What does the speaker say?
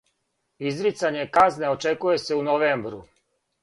Изрицање казне очекује се у новембру.